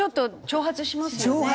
挑発しますよね。